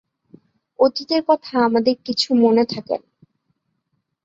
অতীতের কথা আমাদের কিছু মনে থাকে না।